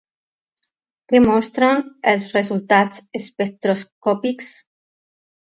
Què mostren els resultats espectroscòpics?